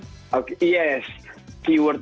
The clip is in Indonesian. keywordnya adalah data privasi pengguna